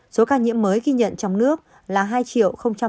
số ca nhiễm mới ký nhận trong nước là hai một sáu trăm hai mươi năm ca